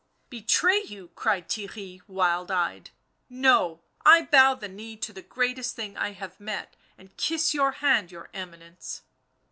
" Betray you !" cried Theirry, wild eyed. " No, I bow the knee to the greatest thing I have met, and kiss your hand, your Eminence